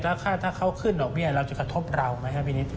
แล้วถ้าเขาขึ้นดอกเบี้ยเราจะกระทบเราไหมครับพี่นิด